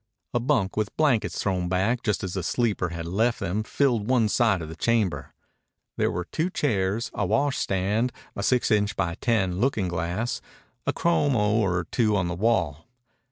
A bunk with blankets thrown back just as the sleeper had left them filled one side of the chamber. There were two chairs, a washstand, a six inch by ten looking glass, and a chromo or two on the wall.